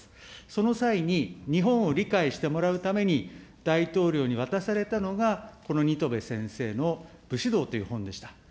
その際に、日本を理解してもらうために、大統領に渡されたのが、この新渡戸先生の武士道という本でした。